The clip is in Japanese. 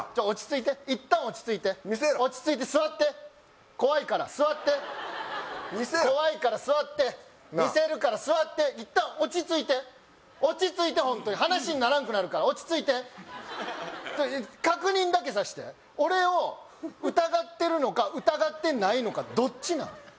落ち着いて一旦落ち着いて見せろ落ち着いて座って怖いから座って見せろ怖いから座って見せるから座って一旦落ち着いて落ち着いてホントに話にならんくなるから落ち着いて確認だけさして俺を疑ってるのか疑ってないのかどっちなん？